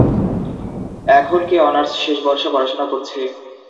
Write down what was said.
এখন কে অনার্স শেষ বর্ষে পড়াশোনা করছে?